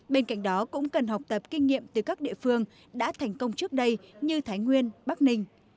bên cạnh đó cũng cần học tập kinh nghiệm từ các địa phương đã thành công trước đây như thái nguyên bắc ninh